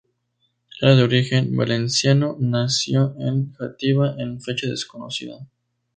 Era de origen valenciano, nació en Játiva en fecha desconocida.